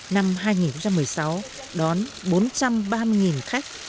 năm hai nghìn một mươi sáu đón bốn trăm ba mươi khách